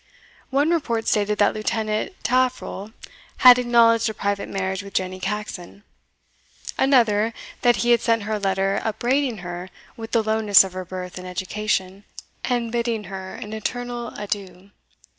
One report stated, that Lieutenant Taffril had acknowledged a private marriage with Jenny Caxon another, that he had sent her a letter upbraiding her with the lowness of her birth and education, and bidding her an eternal adieu.